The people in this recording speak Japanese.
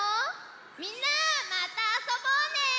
みんなまたあそぼうね！